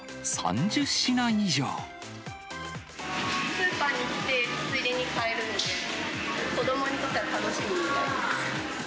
スーパーに来て、ついでに買えるので、子どもにとっては楽しいみたいです。